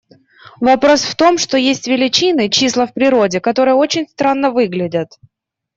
Вопрос в том, что есть величины, числа в природе, которые очень странно выглядят.